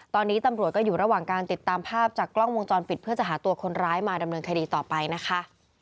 ตอนนี้ตำรวจก็อยู่ระหว่างการติดตามภาพจากกล้องวงจรปิดเพื่อจะหาตัวคนร้ายมาดำเนินคดีต่อไปนะคะ